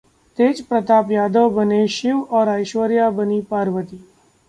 तेजप्रताप यादव बने 'शिव' और ऐश्वर्या बनीं 'पार्वती'!